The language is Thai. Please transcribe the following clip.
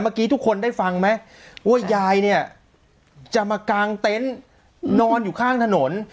เมื่อกี้ทุกคนได้ฟังไหมว่ายายเนี่ยจะมากางเต็นต์นอนอยู่ข้างถนน